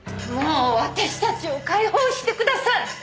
もう私たちを解放してください！